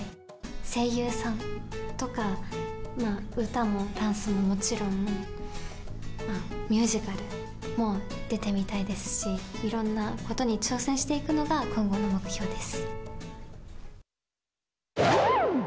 声優さんとか、歌もダンスももちろん、ミュージカルも出てみたいですし、いろんなことに挑戦していくのが、今後の目標です。